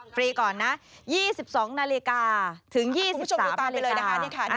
ฟรีก่อนนะยี่สิบสองนาฬิกาถึงยี่สิบสามนาฬิกาคุณผู้ชมดูตามไปเลยนะคะ